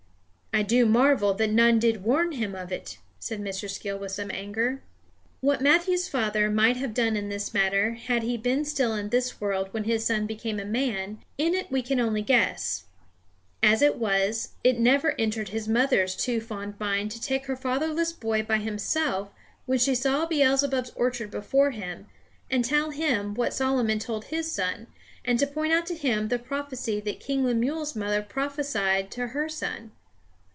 "I do marvel that none did warn him of it," said Mr. Skill, with some anger. What Matthew's father might have done in this matter had he been still in this world when his son became a man in it we can only guess. As it was, it never entered his mother's too fond mind to take her fatherless boy by himself when she saw Beelzebub's orchard before him, and tell him what Solomon told his son, and to point out to him the prophecy that King Lemuel's mother prophesied to her son.